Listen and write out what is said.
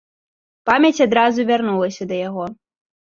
Памяць адразу вярнулася да яго.